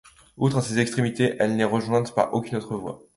Outre à ses extrémités, elle n'est rejointe par aucune autre voie.